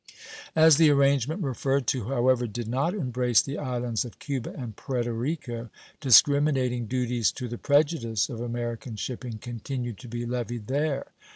As the arrangement referred to, however, did not embrace the islands of Cuba and Puerto Rico, discriminating duties to the prejudice of American shipping continue to be levied there.